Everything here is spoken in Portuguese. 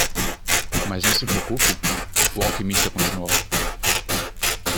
"Mas não se preocupe?" o alquimista continuou.